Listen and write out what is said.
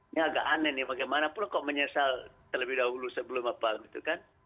ini agak aneh nih bagaimanapun kok menyesal terlebih dahulu sebelum apa apa gitu kan